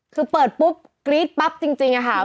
คือเปิดปุ๊บกรี๊ดปั๊บจริงค่ะ